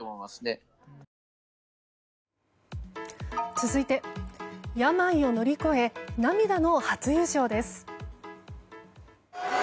続いて、病を乗り越え涙の初優勝です。